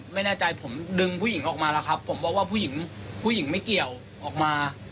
ไม่แน่ใจผมดึงผู้หญิงออกมาแล้วครับผมบอกว่าผู้หญิงผู้หญิงไม่เกี่ยวออกมา